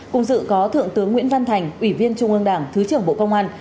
cùng dự có thượng tướng nguyễn văn thành ủy viên trung ương đảng thứ trưởng bộ công an